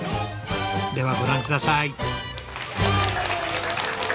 ではご覧下さい。